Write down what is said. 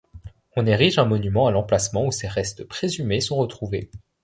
On érige un monument à l’emplacement où ses restes présumés sont retrouvés.